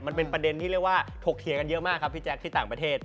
มันเป็นประเด็นที่เรียกว่าถกเถียงกันเยอะมากครับพี่แจ๊คที่ต่างประเทศ